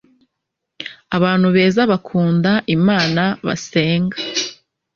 abantu beza bakunda imana basenga